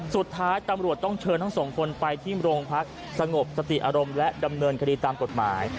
สุดท้ายตำรวจต้องเชิญทั้งสองคนไปที่โรงพักสงบสติอารมณ์และดำเนินคดีตามกฎหมาย